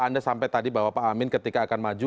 anda sampai tadi bahwa pak amin ketika akan maju